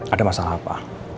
ada masalah apa